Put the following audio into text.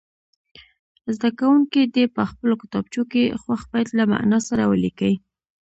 زده کوونکي دې په خپلو کتابچو کې خوښ بیت له معنا سره ولیکي.